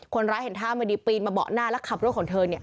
คนร้ายเห็นท่าเมื่อดีปีนมาเบาะหน้าแล้วขับรถของเธอ